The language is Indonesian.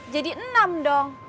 jadi enam dong